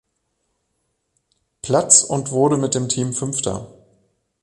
Platz und wurde mit dem Team fünfter.